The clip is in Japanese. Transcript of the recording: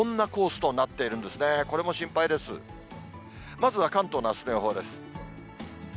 まずは関東のあすの予報です。